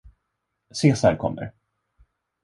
Cesar kommer!